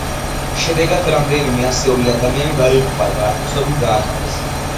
შედეგად, რამდენიმე ასეული ადამიანი დაიღუპა და ათასობით დააკავეს.